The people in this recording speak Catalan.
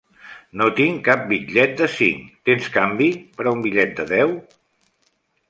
No tinc cap bitllet de cinc. Tens canvi per a un bitllet de deu?